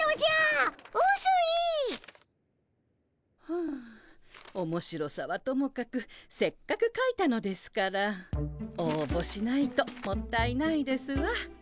ふうおもしろさはともかくせっかくかいたのですからおうぼしないともったいないですわ。